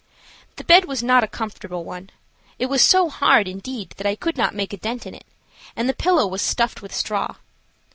The bed was not a comfortable one. It was so hard, indeed, that I could not make a dent in it; and the pillow was stuffed with straw.